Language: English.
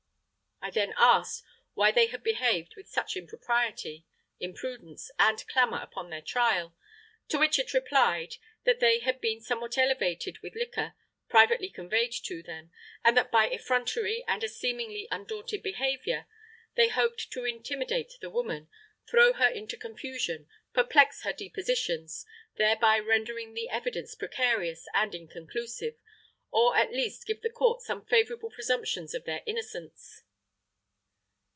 I then asked why they had behaved with such impropriety, impudence and clamour upon their trial; to which it replied, "that they had been somewhat elevated with liquor, privately conveyed to them, and that by effrontery and a seemingly undaunted behaviour they hoped to intimidate the WOMAN, throw her into confusion, perplex her depositions, thereby rendering the evidence precarious and inconclusive, or at least give the court some favourable presumptions of their innocence."